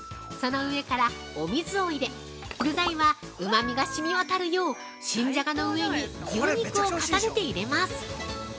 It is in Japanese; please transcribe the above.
その上からお水を入れ、具材は、うまみがしみわたるよう新じゃがの上に牛肉を重ねて入れます。